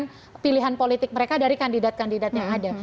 dan pilihan politik mereka dari kandidat kandidat yang ada